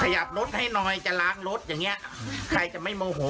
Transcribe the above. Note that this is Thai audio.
ขยับรถให้หน่อยจะล้างรถอย่างเงี้ยใครจะไม่โมโห